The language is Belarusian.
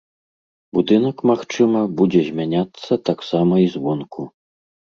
Будынак, магчыма, будзе змяняцца таксама і звонку.